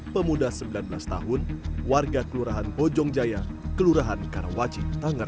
pemuda sembilan belas tahun warga kelurahan bojong jaya kelurahan karawaci tangan